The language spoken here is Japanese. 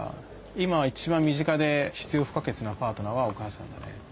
今一番身近で必要不可欠なパートナーはお母さんだね。